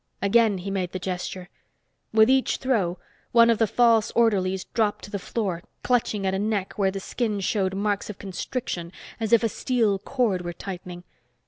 Again he made the gesture. With each throw, one of the false orderlies dropped to the floor, clutching at a neck where the skin showed marks of constriction as if a steel cord were tightening.